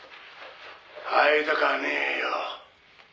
「会いたかねえよ」